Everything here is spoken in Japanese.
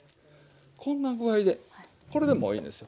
こんな具合でこれでもういいです。